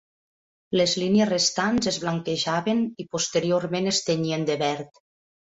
Les línies restants es blanquejaven i posteriorment es tenyien de verd.